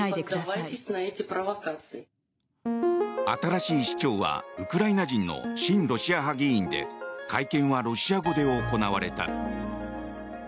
新しい市長はウクライナ人の親ロシア派議員で会見はロシア語で行われた。